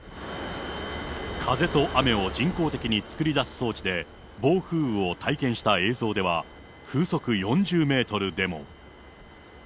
風と雨を人工的に作り出す装置で、暴風雨を体験した映像では、風速４０メートルでも。